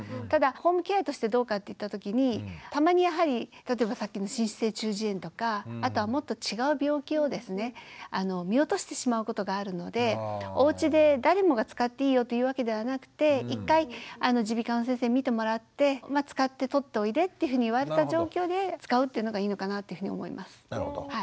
ただホームケアとしてどうかっていったときにたまにやはり例えばさっきの滲出性中耳炎とかあとはもっと違う病気をですね見落としてしまうことがあるのでおうちで誰もが使っていいよというわけではなくて一回耳鼻科の先生に診てもらって使って取っておいでっていうふうに言われた状況で使うというのがいいのかなというふうに思います。